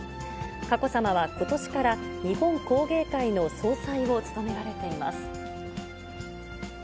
佳子さまはことしから日本工芸会の総裁を務められています。